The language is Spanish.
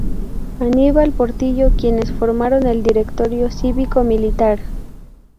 Aníbal Portillo, quienes formaron el Directorio Cívico-Militar.